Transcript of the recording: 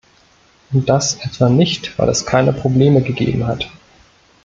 Und das etwa nicht, weil es keine Probleme gegeben hat.